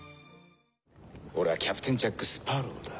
俺はキャプテン・ジャック・スパロウだ。